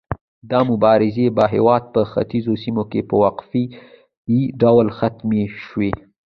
دا مبارزې په هیواد په ختیځو سیمو کې په وقفه يي ډول ختمې شوې.